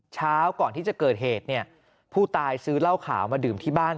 เช้าก่อนที่จะเกิดเหตุเนี่ยผู้ตายซื้อเหล้าขาวมาดื่มที่บ้าน